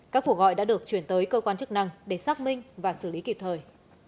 các cuộc gọi đã được chuyển tới cơ quan chức năng để xác minh và xử lý kịp thời